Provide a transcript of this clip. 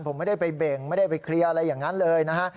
ผมไม่ได้ไปเบ่งไม่ได้ไปเคลียร์อะไรอย่างนั้นเลยนะฮะ